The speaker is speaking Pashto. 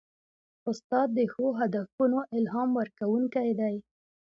استاد د ښو هدفونو الهام ورکوونکی دی.